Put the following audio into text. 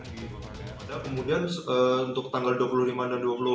kemudian untuk tanggal dua puluh lima dan dua puluh empat